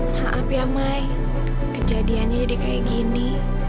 maaf ya mai kejadiannya jadi kayak gini